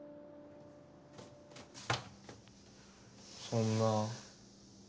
そんな。